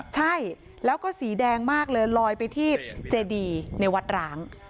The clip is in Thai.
ใช่แล้วก็สีแดงมากเลยลอยไปที่เจดีในวัดร้าง